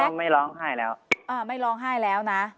ไม่ร้องไห้แล้วอ่าไม่ร้องไห้แล้วนะ